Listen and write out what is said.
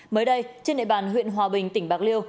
mới đây trên địa bàn huyện hòa bình tỉnh bạc liêu